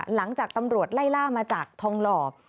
หลังจากตำรวจไล่ล่ามาจากทองหล่อ